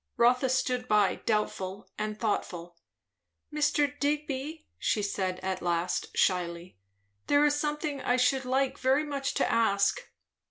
Rotha stood by, doubtful and thoughtful. "Mr. Digby," she said at last shyly, "there is something I should like very much to ask."